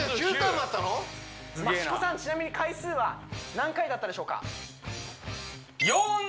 益子さんちなみに回数は何回だったでしょうか？